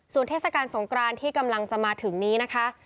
ส่วนเทศกาลสงกรานที่กำลังจะมาถึงนี้นะคะ